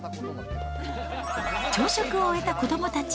朝食を終えた子どもたち。